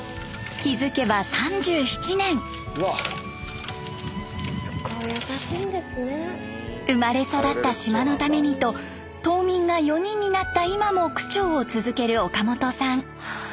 気付けば３７年。生まれ育った島のためにと島民が４人になった今も区長を続ける岡本さん。